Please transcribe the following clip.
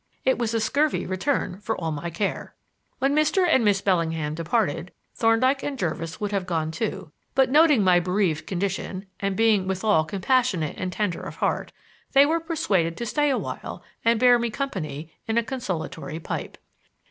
It was a scurvy return for all my care. When Mr. and Miss Bellingham departed, Thorndyke and Jervis would have gone too; but noting my bereaved condition, and being withal compassionate and tender of heart, they were persuaded to stay awhile and bear me company in a consolatory pipe.